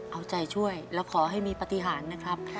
เอาใจช่วยแล้วขอให้มีปฏิหารนะครับ